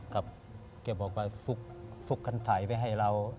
ครับเขาบอกว่าฝุกขันถ่ายไว้ให้เรา